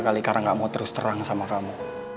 kali karena gak mau terus terang sama kamu